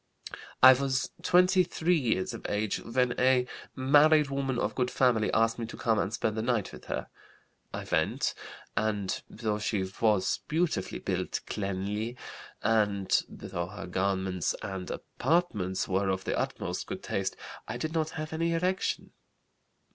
"I was 23 years of age when a married woman of good family asked me to come and spend the night with her. I went, and though she was beautifully built, cleanly, and though her garments and apartments were of the utmost good taste, I did not have any erection.